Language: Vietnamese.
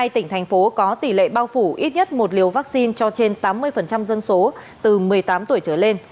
một mươi tỉnh thành phố có tỷ lệ bao phủ ít nhất một liều vaccine cho trên tám mươi dân số từ một mươi tám tuổi trở lên